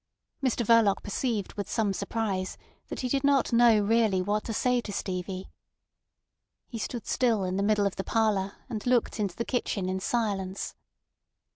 Mr Verloc perceived with some surprise that he did not know really what to say to Stevie. He stood still in the middle of the parlour, and looked into the kitchen in silence.